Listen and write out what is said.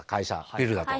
ビルだと。